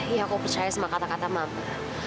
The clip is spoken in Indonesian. iya aku percaya sama kata kata mama